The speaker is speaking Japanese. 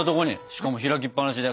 しかも開きっぱなしで。